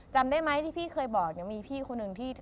จำได้ไหมที่พี่เคยบอกเนี่ยมีพี่คนหนึ่งที่